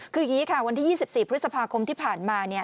คืออย่างนี้ค่ะวันที่๒๔พฤษภาคมที่ผ่านมา